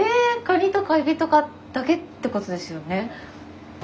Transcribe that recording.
カニとかエビとかだけってことですよね。